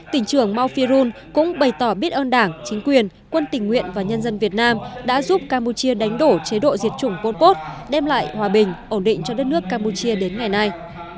tỉnh trưởng mau phi run cũng bày tỏ biết ơn đảng chính quyền quân tình nguyện và nhân dân việt nam đã giúp campuchia đánh đổ chế độ diệt chủng vô tốt đem lại hòa bình ổn định cho đất nước campuchia đến ngày nay